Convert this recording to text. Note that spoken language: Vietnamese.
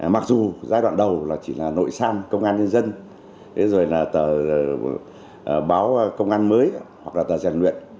mặc dù giai đoạn đầu chỉ là nội san công an nhân dân tờ báo công an mới hoặc là tờ giảng luyện